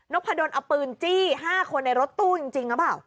นพอนอดอนเอาปืนจี้๕คนในรถตู้จริง